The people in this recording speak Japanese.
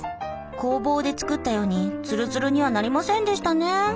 工房で作ったようにツルツルにはなりませんでしたね。